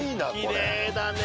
きれいだね。